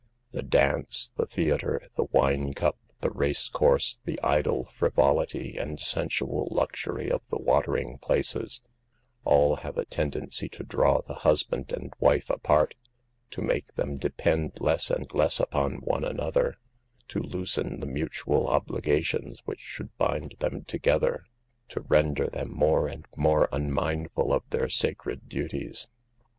The dance, the theater, the wine cup, the race course, the idle frivolity and sensual luxury of the watering places, all have a tendency to draw the husband and wife apart, to make them depend less and less upon one another, to loosen the mutual obligations which should bind them together, to render them more and more unmindful of their sacred duties.